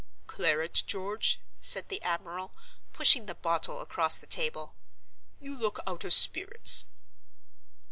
"Claret, George?" said the admiral, pushing the bottle across the table. "You look out of spirits."